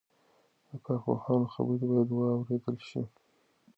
د کارپوهانو خبرې باید واورېدل شي.